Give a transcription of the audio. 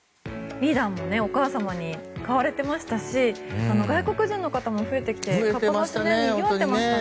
リーダーもお母様に買われてましたし外国人の方も増えていましてかっぱ橋にぎわっていましたね。